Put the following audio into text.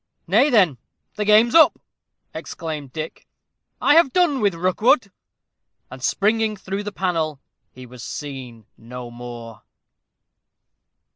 "Nay, then, the game's up!" exclaimed Dick; "I have done with Rookwood." And, springing through the panel, he was seen no more.